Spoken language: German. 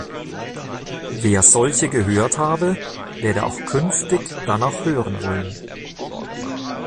Wer solche gehört habe, werde auch künftig danach hören wollen.